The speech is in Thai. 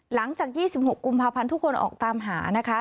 หลังจาก๒๖กุมภาพันธ์ทุกคนออกตามหานะคะ